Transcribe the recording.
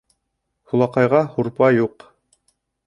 Һулаҡайға һурпа юҡ.